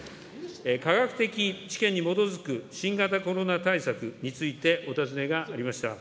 科学的知見に基づく新型コロナ対策について、お尋ねがありました。